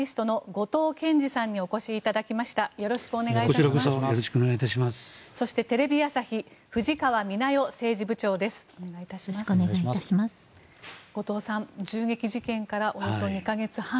後藤さん銃撃事件からおよそ２か月半。